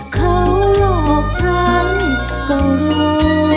เขาหลอกฉันก็รู้